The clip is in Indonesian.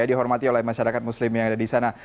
dihormati oleh masyarakat muslim yang ada disana